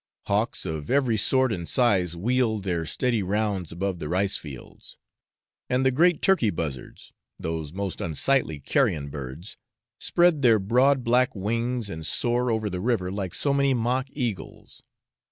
Hawks of every sort and size wheel their steady rounds above the rice fields; and the great turkey buzzards those most unsightly carrion birds spread their broad black wings, and soar over the river like so many mock eagles.